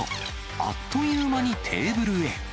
あっという間にテーブルへ。